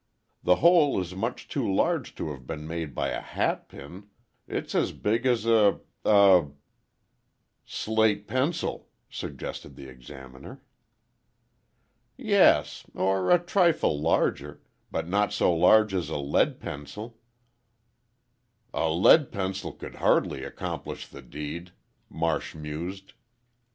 The hole is much too large to have been made by a hatpin—it is as big as a—a—" "Slate pencil," suggested the Examiner. "Yes, or a trifle larger—but not so large as a lead pencil." "A lead pencil could hardly accomplish the deed," Marsh mused.